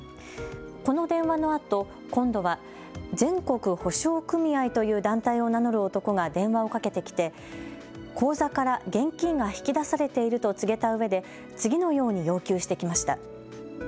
この電話のあと、今度は全国保証組合という団体を名乗る男が電話をかけてきて口座から現金が引き出されていると告げたうえで次のように要求してきました。